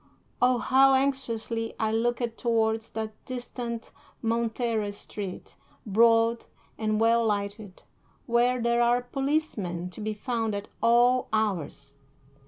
Oh, how anxiously I looked towards that distant Montera street, broad and well lighted, where there are policemen to be found at all hours!